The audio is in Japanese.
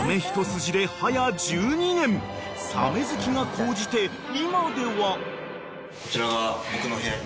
［サメ好きが高じて今では］